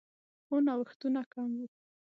خو نوښتونه کم وو